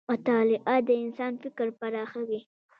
مطالعه د انسان فکر پراخوي.